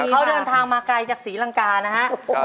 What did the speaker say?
เขาเดินทางมาไกลจากศรีลังกานะฮะ